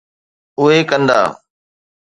اهي ڪندا.